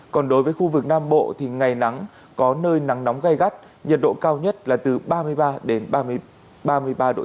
còn đối với khu vực nam bộ thì ngày nắng có nơi nắng nóng gai gắt nhiệt độ cao nhất là từ ba mươi ba ba mươi ba độ c